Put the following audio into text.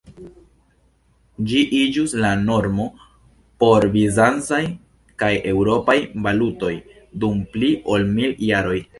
Ĝi iĝus la normo por bizancaj kaj eŭropaj valutoj dum pli ol mil jaroj.